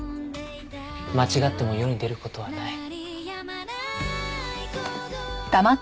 間違っても世に出る事はない。